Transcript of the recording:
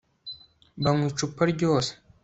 banywa icupa ryose